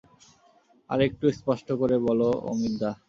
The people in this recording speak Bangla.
আর-একটু স্পষ্ট করে বলো অমিতদা।